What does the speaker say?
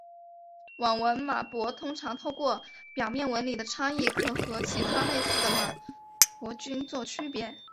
网纹马勃通常透过表面纹理的差异可和其他类似的马勃菌作区别。